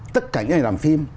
tất cả những nhà làm phim